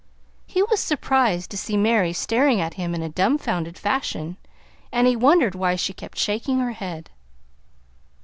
He was surprised to see Mary staring at him in a dumfounded fashion, and he wondered why she kept shaking her head.